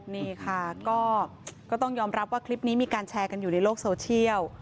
นี่ค่ะก็ต้องยอมรับว่าคลิปนี้มีการแชร์กันอยู่ในโลกโซเชียล